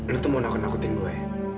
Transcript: lu tuh mau nakut nakutin gue